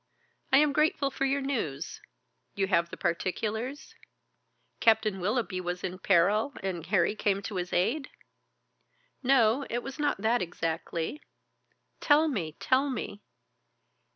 I am grateful for your news. You have the particulars? Captain Willoughby was in peril, and Harry came to his aid?" "No, it was not that exactly." "Tell me! Tell me!"